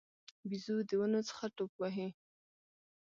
بیزو د ونو څخه ټوپ وهي.